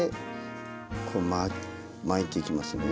こう巻いていきますね。